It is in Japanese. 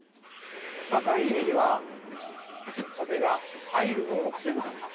高い襟は風が入るのを防ぐため。